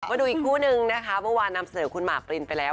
มาดูอีกคู่นึงนะคะเมื่อวานนำเสนอคุณหมากปรินไปแล้ว